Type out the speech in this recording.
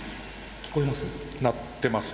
聞こえます？